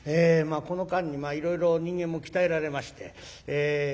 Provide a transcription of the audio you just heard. この間にいろいろ人間も鍛えられまして。